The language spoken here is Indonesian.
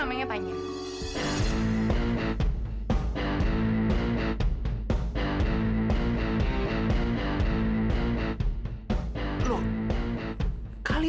masa kau keluar